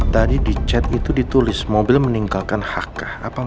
tadi di chat itu ditulis mobil meninggalkan hk